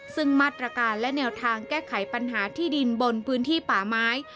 ซึ่งมาตรการและแนวทางแก้ไขปัญหาที่ดินบนพื้นที่ป่าไม้